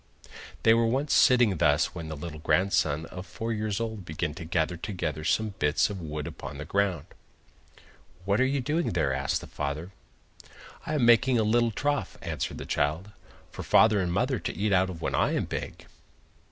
They were once sitting thus when the little grandson of four years old began to gather together some bits of wood upon the ground. 'What are you doing there?' asked the father. 'I am making a little trough,' answered the child, 'for father and mother to eat out of when I am big.